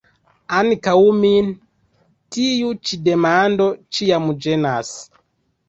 Ankaŭ min tiu ĉi demando ĉiam ĝenas.